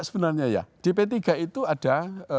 sebenarnya ya di p tiga itu ada